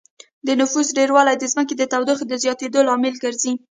د نفوس ډېروالی د ځمکې د تودوخې د زياتېدو لامل ګرځي